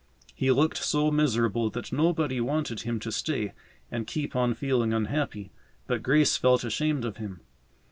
He looked so miserable that nobody wanted him to stay and keep on feeling unhappy, but Grace felt ashamed of him.